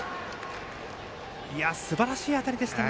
すばらしい当たりでしたね。